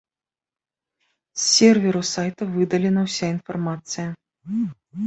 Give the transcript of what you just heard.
З серверу сайта выдалена ўся інфармацыя.